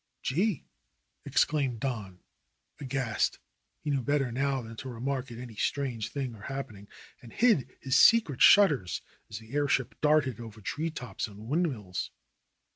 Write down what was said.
"Gee!" exclaimed Don, aghast. He knew better now than to remark at any strange thing or happening and hid his secret shudders as the airship darted over tree tops and windmills.